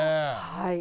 はい。